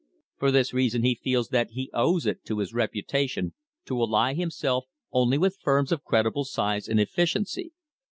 For this reason he feels that he owes it to his reputation to ally himself only with firms of creditable size and efficiency.